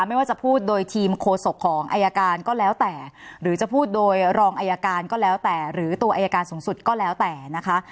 ไม่ว่าจะพูดโดยทีมโฆษกของอายการก็แล้วแต่หรือจะพูดโดยรองอายการก็แล้วแต่หรือตัวอายการสูงสุดก็แล้วแต่นะคะ